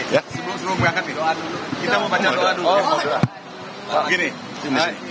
sebelum berangkat kita mau baca doa dulu